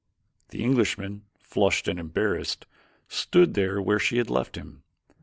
The Englishman, flushed and embarrassed, stood where she had left him.